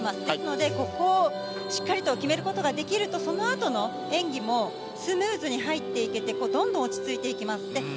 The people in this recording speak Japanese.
ですので、ここをしっかりと決めることができると、そのあとの演技もスムーズに入っていけて、どんどん落ち着いていけますね。